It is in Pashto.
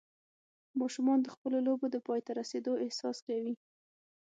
ماشومان د خپلو لوبو د پای ته رسېدو احساس کوي.